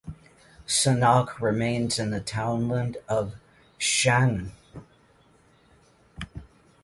Sonnach remains in the townland of Shannagh.